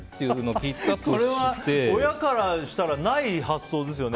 これは親からしたらない発想ですよね。